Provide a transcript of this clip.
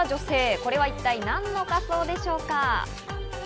これは一体何の仮装でしょうか？